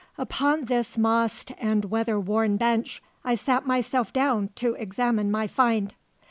Upon this mossed and weather worn bench I sat myself down to examine my find.